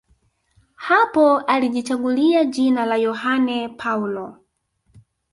Hapo alijichagulia jina la Yohane Paulo